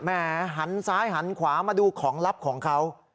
หันซ้ายหันขวามาดูของลับของเขา